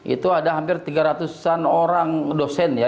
itu ada hampir tiga ratus an orang dosen ya